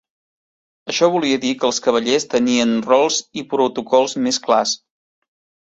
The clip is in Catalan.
Això volia dir que els cavallers tenien rols i protocols més clars.